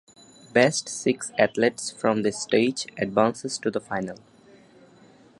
Best six athletes from this stage advances to the final.